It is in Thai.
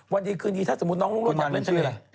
วันนี้คืนนี้ถ้าสมมุติน้องรุ่งโรดอยากเลี้ยงทะเล